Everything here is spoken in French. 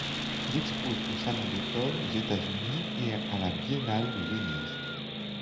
Il expose au Salon d'automne, aux États-Unis et à la Biennale de Venise.